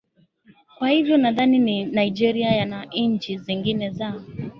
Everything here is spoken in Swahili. kwa hivyo nadhani nigeria na nchi zingine za